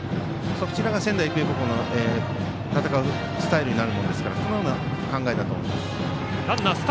そちらが仙台育英高校の戦うスタイルですからそのような考えだと思います。